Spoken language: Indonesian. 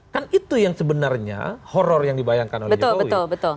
kan itu yang sebenarnya horror yang dibayangkan oleh jokowi